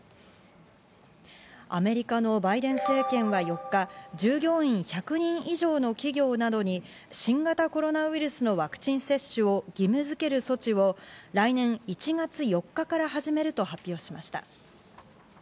アメリカのバイデン政権は４日、従業員１００人以上の企業などに、新型コロナウイルスのワクチン接種を義務づける措置を来年１月４日から始めると発表しました。